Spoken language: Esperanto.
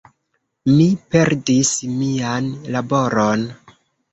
Mi perdis mian laboron.